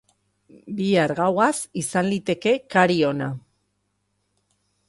Bihar, gauaz, izan liteke kari ona.